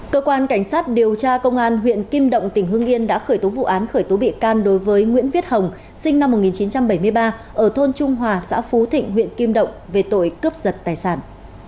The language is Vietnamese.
cơ quan cảnh sát điều tra công an huyện kim động tỉnh hương yên đã khởi tố vụ án khởi tố bị can đối với nguyễn viết hồng sinh năm một nghìn chín trăm bảy mươi ba ở thôn trung hòa xã phú thịnh huyện kim động về tội cướp giật tài sản